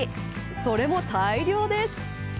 それも大量です。